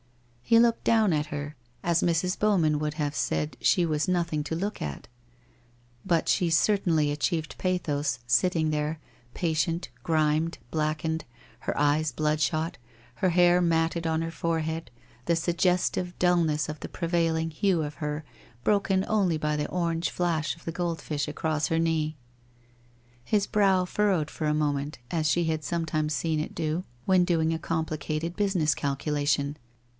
He looked down at her; as Mrs. Bowman would have said, she was nothing to look at. But she certainly achieved pathos, sitting there, patient, grimed, blackened, her eyes bloodshot, her hair matted on her forehead, the suggestive dulness of the prevailing hue of her broken only by the orange flash of the gold fish across her knee. His brow furrowed for a moment as she had sometimes seen it do, when doing a complicated business calculation.